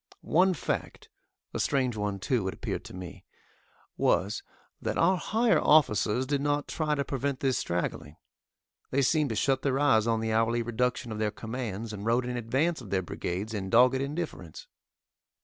One fact a strange one, too, it appeared to me was, that our higher officers did not try to prevent this straggling. They seemed to shut their eyes on the hourly reduction of their commands, and rode in advance of their brigades in dogged indifference.